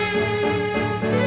gimana kita akan menikmati rena